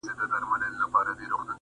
زما عشق ښکلی په خپل حسن مغرور کړو